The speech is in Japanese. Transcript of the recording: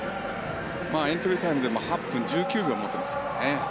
エントリータイムでも８分１９秒を持っていますからね。